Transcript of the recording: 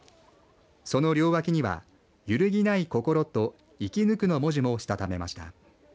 その両脇にはゆるぎない心と生きぬくの文字もしたためました。